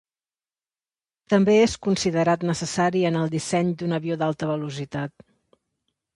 També és considerat necessari en el disseny d'un avió d'alta velocitat.